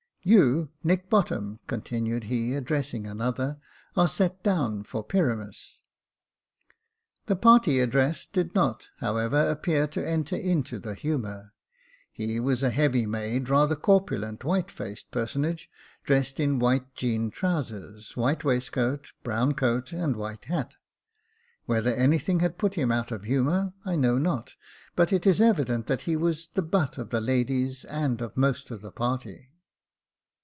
" You, Nick Bottom," continued he, addressing another, " are set down for Pyramus." The party addressed did not, however, appear to enter into the humour. He was a heavy made, rather corpulent, white faced personage, dressed in white jean trousers, white waistcoat, brown coat, and white hat. Whether anything had put him out of humour, I know not, but it is evident that he was the butt of the ladies and of most of the party.